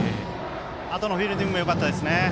あとのフィールディングもよかったですね。